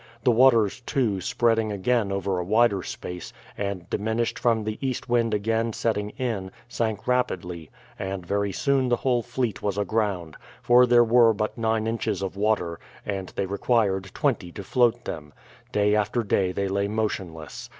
The waters, too, spreading again over a wider space, and diminished from the east wind again setting in, sank rapidly, and very soon the whole fleet was aground; for there were but nine inches of water, and they required twenty to float them. Day after day they lay motionless.